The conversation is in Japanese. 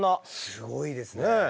すごいですね。